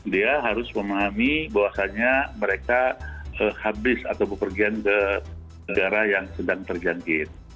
dia harus memahami bahwasannya mereka habis atau berpergian ke negara yang sedang terjangkit